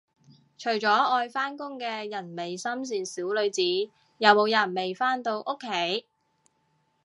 除咗愛返工嘅人美心善小女子，有冇人未返到屋企